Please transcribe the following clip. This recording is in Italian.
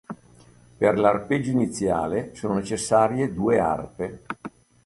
Per l'arpeggio iniziale sono necessarie due arpe.